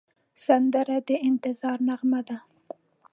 سندره د انتظار نغمه ده